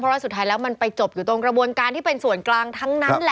ว่าสุดท้ายแล้วมันไปจบอยู่ตรงกระบวนการที่เป็นส่วนกลางทั้งนั้นแหละ